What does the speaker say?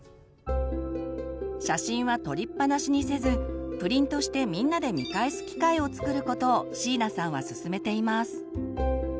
写真は撮りっぱなしにせずプリントしてみんなで見返す機会をつくることを椎名さんはすすめています。